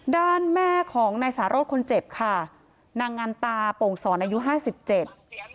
ด้านแม่ของนายสารสคนเจ็บค่ะนางงามตาโป่งสอนอายุห้าสิบเจ็ด